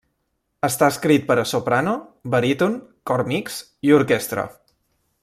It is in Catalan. Està escrit per a soprano, baríton, cor mixt i orquestra.